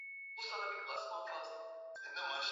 Moto ulitambaa msituni kote.